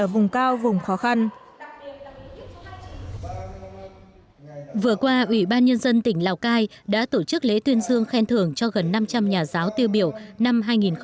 vừa qua ủy ban nhân dân tỉnh lào cai đã tổ chức lễ tuyên dương khen thưởng cho gần năm trăm linh nhà giáo tiêu biểu năm hai nghìn một mươi chín